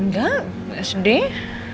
nggak jadi selfish